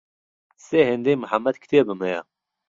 سێ هێندەی محەمەد کتێبم هەیە.